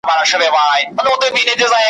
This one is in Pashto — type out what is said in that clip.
د لایق مینه به ولې داستان نه شي.